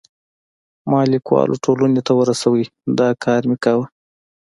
ما لیکوالو ټولنې ته ورسوی، دا کار مې کاوه.